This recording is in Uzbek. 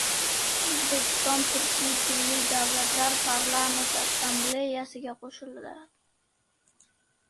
O‘zbekiston Turkiy tilli davlatlar parlament assambleyasiga qo‘shiladi